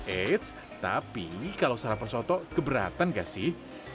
eits tapi kalau sarapan soto keberatan gak sih